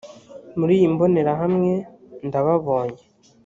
muri iyi mbonerahamwe ndababonye